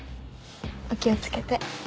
お気を付けて。